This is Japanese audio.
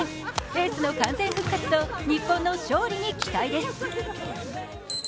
エースの完全復活と、日本の勝利に期待です！